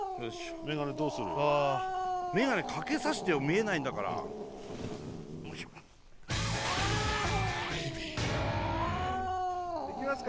メガネかけさしてよ見えないんだからいきますか